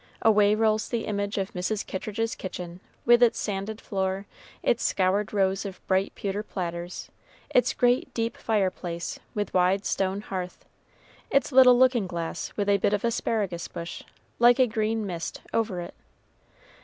Away rolls the image of Mrs. Kittridge's kitchen, with its sanded floor, its scoured rows of bright pewter platters, its great, deep fireplace, with wide stone hearth, its little looking glass with a bit of asparagus bush, like a green mist, over it.